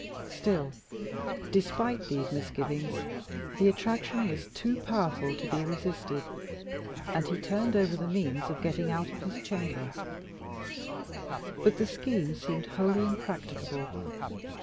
Still, despite these misgivings, the attraction was too powerful to be resisted, and he turned over the means of getting out of his chamber, but the scheme seemed wholly impracticable.